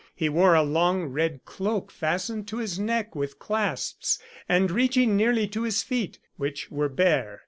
He wore a long red cloak fastened to his neck with clasps, and reaching nearly to his feet, which were bare.